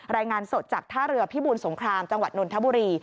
รายงานสดจากท่าเรือพิบูรสงครามจังหวัดนนทบุรี